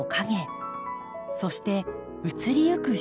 そして移りゆく色彩。